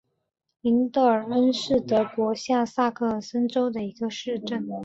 林德尔恩是德国下萨克森州的一个市镇。